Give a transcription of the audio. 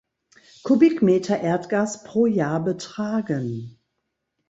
Kubikmeter Erdgas pro Jahr betragen.